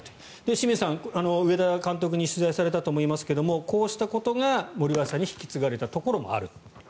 清水さん、上田監督に取材されたと思いますがこうしたことが森林さんに引き継がれたところもある。